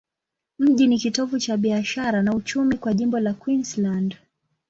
Mji ni kitovu cha biashara na uchumi kwa jimbo la Queensland.